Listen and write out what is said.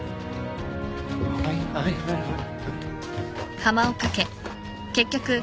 はいはいはいはい。